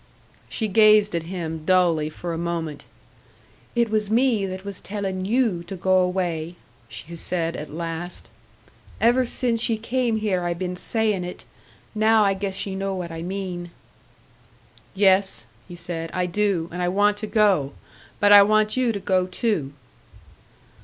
She gazed at him dully for a moment. "It was me that was tellin' you to go away," she said, at last. "Ever since ye came here I been sayin' it! Now I guess ye know what I mean." "Yes," he said, "I do, and I want to go. But I want you to go too."